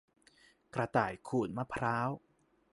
กระต่ายขูดมะพร้าว